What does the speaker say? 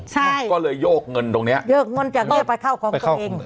ใช่ก็เลยโยกเงินตรงเนี้ยโยกเงินจากเนี้ยไปเข้าของตัวเอง